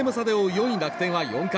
４位楽天は４回。